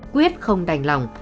quyết không đành lòng